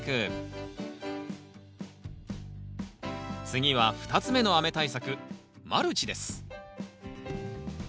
次は２つ目の雨対策マルチです。